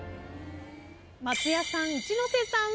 松也さん一ノ瀬さん